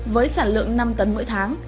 với sản lượng năm tấn mỗi tháng